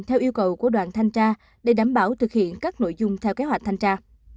theo yêu cầu của đoàn thanh tra để đảm bảo thực hiện các nội dung theo kế hoạch thanh tra